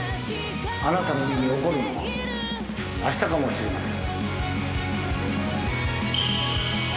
あなたの身に起こるのはあしたかもしれません。